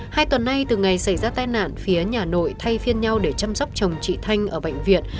hai tuần nay từ ngày xảy ra tai nạn phía nhà nội thay phiên nhau để chăm sóc chồng chị thanh ở bệnh viện